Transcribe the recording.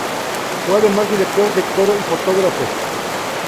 Fue además director de coro y fotógrafo.